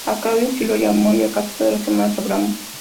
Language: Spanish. A Claudio sí lo llamo y casi todas las semanas hablamos".